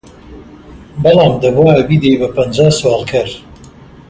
بەڵام دەبوایە بیدەی بە پەنجا سواڵکەر!